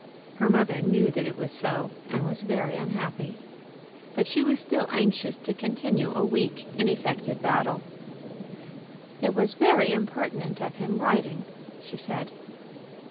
Her mother knew that it was so, and was very unhappy. But she was still anxious to continue a weak, ineffective battle. "It was very impertinent of him writing," she said.